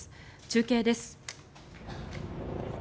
中継です。